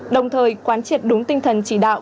đồng thời quán triệt đúng tinh thần chỉ đạo